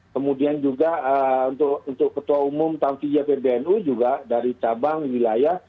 kemudian juga untuk ketua umum tamfija pbnu juga dari cabang wilayah